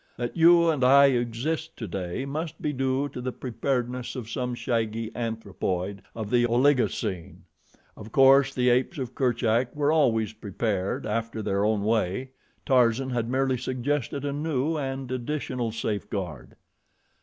That you and I exist today must be due to the preparedness of some shaggy anthropoid of the Oligocene. Of course the apes of Kerchak were always prepared, after their own way Tarzan had merely suggested a new and additional safeguard.